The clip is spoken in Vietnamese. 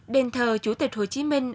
đền thờ chủ tịch hồ chí minh